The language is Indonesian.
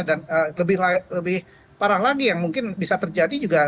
dan lebih parah lagi yang mungkin bisa terjadi juga